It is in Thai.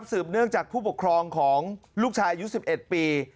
สืบเนื่องจากผู้ปกครองของลูกชายอายุ๑๑ปี